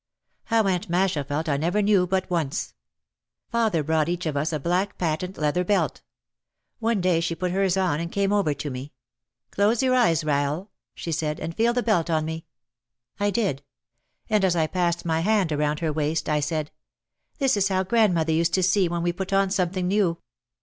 How Aunt Masha felt I never knew but once. Father brought each of us a black patent leather belt. One day she put hers on and came over to me. "Close your eyes, Rahel," she said, "and feel the belt on me." I did. And as I passed my hand around her waist, I said, "This is how grandmother used to see when we put on something new."